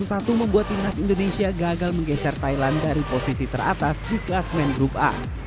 satu membuat timnas indonesia gagal menggeser thailand dari posisi teratas di kelas main grup a